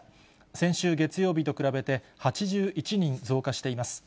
先週月曜日と比べて８１人増加しています。